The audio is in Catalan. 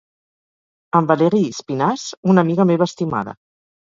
Amb Válerie Espinasse, una amiga meva estimada,….